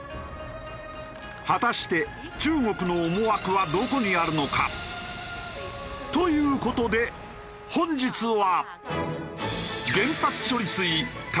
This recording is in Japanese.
果たして中国の思惑はどこにあるのか？という事で本日は。